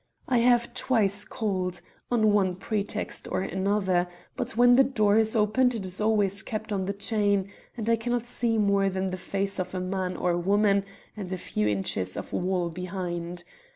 I have twice called, on one pretext or another, but when the door is opened it is always kept on the chain, and I cannot see more than the face of a man or woman and a few inches of wall beyond.